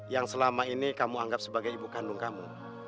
yang selama ini kamu anggap sebagai ibu kandung kamu